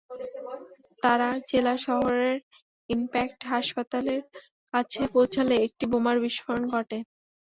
তাঁরা জেলা শহরের ইমপ্যাক্ট হাসপাতালের কাছে পৌঁছালে একটি বোমার বিস্ফোরণ ঘটে।